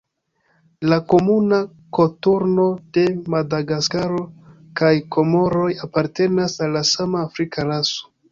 La Komuna koturno de Madagaskaro kaj Komoroj apartenas al la sama afrika raso.